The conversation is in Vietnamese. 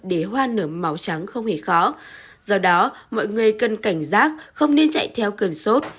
để hoa nở màu trắng không hề khó do đó mọi người cần cảnh giác không nên chạy theo cơn sốt